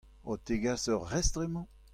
O tegas ur restr emañ ?